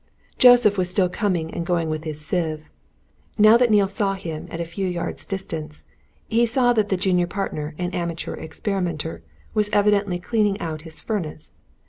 Joseph was still coming and going with his sieve now that Neale saw him at a few yards distance he saw that the junior partner and amateur experimenter was evidently cleaning out his furnace.